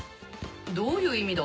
どういう意味だ？